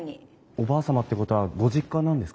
おばあ様ってことはご実家なんですか？